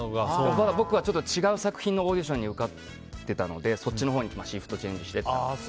僕は違う作品のオーディションに受かっていたのでそっちにシフトチェンジして。